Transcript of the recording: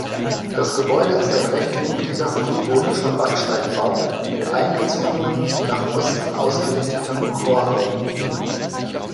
Das Gebäude ist ein rechtwinkliger frühgotischer Backsteinbau mit eingezogenem, nach Osten ausgerichtetem Chorraum.